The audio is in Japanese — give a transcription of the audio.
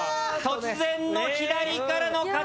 突然の左からの風。